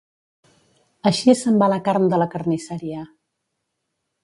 Així se'n va la carn de la carnisseria.